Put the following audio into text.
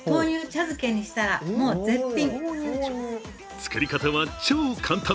作り方は超簡単。